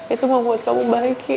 itu membuat kamu bahagia